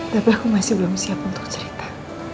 tapi aku masih belum siap untuk cerita